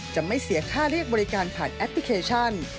จะไม่เสียค่าเรียกบริการผ่านแอปพลิเคชัน